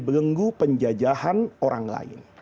belenggu penjajahan orang lain